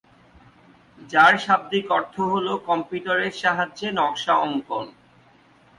যার শাব্দিক অর্থ হলো কম্পিউটারের সাহায্যে নকশা অঙ্কন।